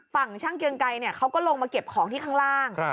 ฝั่งช่างเกียงไกรเขาก็ลงมาเก็บของที่ข้างล่าง